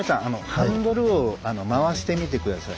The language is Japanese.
ハンドルをまわしてみて下さい。